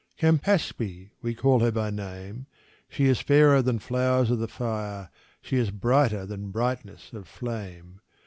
Campaspe we call her by name She is fairer than flowers of the fire she is brighter than brightness of flame.